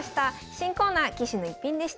新コーナー「棋士の逸品」でした。